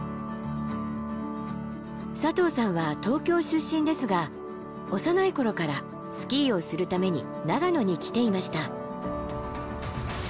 佐藤さんは東京出身ですが幼い頃からスキーをするために長野に来ていました。